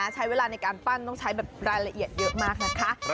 ใช้เวลาในการปั้นต้องใช้แบบรายละเอียดเยอะมากนะคะ